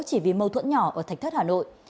chỉ vì mâu thuẫn nhỏ ở thạch thất hà nội